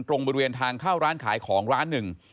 บริเวณทางเข้าร้านขายของร้านหนึ่ง